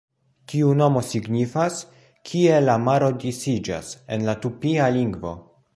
Tiu nomo signifas "Kie la maro disiĝas", en la tupia lingvo.